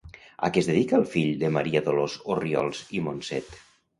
A què es dedica el fill de Maria Dolors Orriols i Monset?